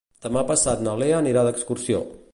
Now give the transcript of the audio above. Demà passat na Lea anirà d'excursió.